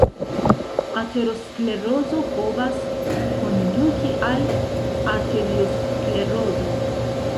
Aterosklerozo povas konduki al arteriosklerozo.